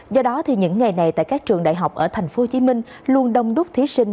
do đó những ngày này tại các trường đại học ở tp hcm luôn đông đúc thí sinh